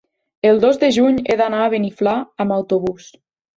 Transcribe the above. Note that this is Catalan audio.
El dos de juny he d'anar a Beniflà amb autobús.